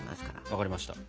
わかりました。